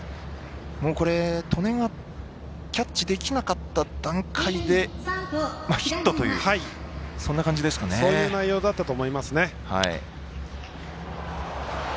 これは戸根がキャッチできなかった段階でそういう内容だと思いますね。